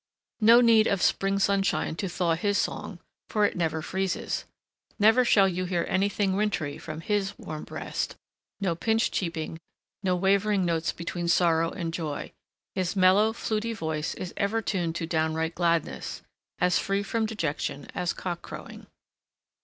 No need of spring sunshine to thaw his song, for it never freezes. Never shall you hear anything wintry from his warm breast; no pinched cheeping, no wavering notes between sorrow and joy; his mellow, fluty voice is ever tuned to downright gladness, as free from dejection as cock crowing.